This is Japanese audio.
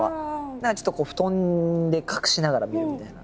何かちょっとこう布団で隠しながら見るみたいな。